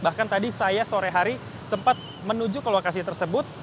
bahkan tadi saya sore hari sempat menuju ke lokasi tersebut